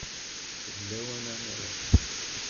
D lawan ad nruḥ.